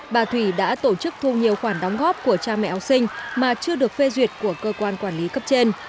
bà thủy đã tổ chức thu nhiều khoản đóng góp của cha mẹ học sinh mà chưa được phê duyệt của cơ quan quản lý cấp trên